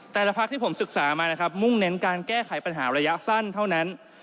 แต่ละพักที่ผมศึกษามานะครับมุ่งเน้นการแก้ไขปัญหาระยะสั้นเท่านั้น